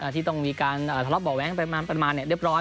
ที่ต้องมีการทะเลาะเบาะแว้งไปประมาณเรียบร้อย